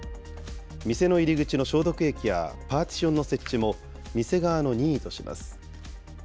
店の入り口の消毒液やパーティションの設置も店側の任意とします。